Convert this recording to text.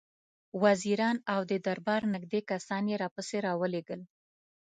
وزیران او د دربار نېږدې کسان یې راپسې را ولېږل.